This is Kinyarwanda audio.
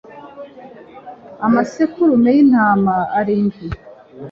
amasekurume y'intama arindwi